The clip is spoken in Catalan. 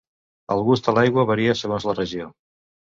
El gust de l'aigua varia segons la regió.